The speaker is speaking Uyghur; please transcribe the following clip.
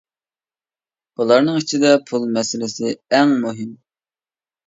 بۇلارنىڭ ئىچىدە پۇل مەسىلىسى ئەڭ مۇھىم.